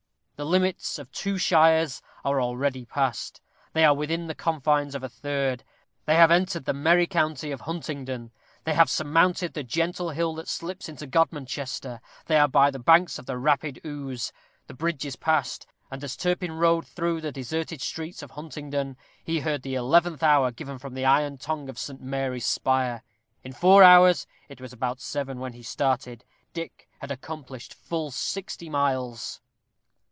The limits of two shires are already past. They are within the confines of a third. They have entered the merry county of Huntingdon; they have surmounted the gentle hill that slips into Godmanchester. They are by the banks of the rapid Ouse. The bridge is past; and as Turpin rode through the deserted streets of Huntingdon, he heard the eleventh hour given from the iron tongue of St. Mary's spire. In four hours it was about seven when he started Dick had accomplished full sixty miles!